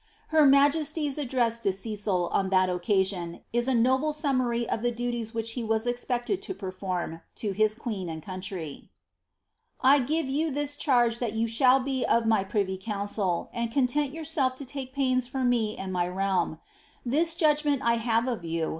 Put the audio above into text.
Her majesty's address to Cecil, on that occasion, is a noble sum mary of tiie duties which he was expected to perform to his queen and country :—I fhve you this charge that you shall be of my privy council, and content your.self to take pain:> fur me and my realm. Tlii^ judgment 1 have of you.